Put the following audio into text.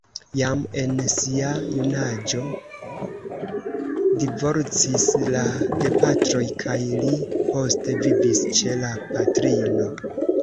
Jam en sia junaĝo divorcis la gepatroj kaj li poste vivis ĉe la patrino.